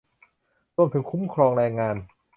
รวมถึงคุ้มครองแรงงาน